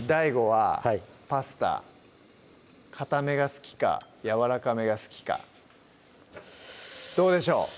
ＤＡＩＧＯはパスタかためが好きかやわらかめが好きかどうでしょう？